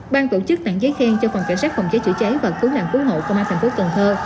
ban tổ chức tặng giấy khen cho phòng cảnh sát phòng cháy chữa cháy và cứu nạn cứu hộ công an thành phố cần thơ